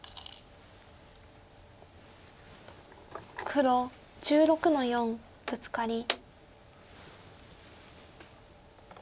黒１６の四ブツカリ。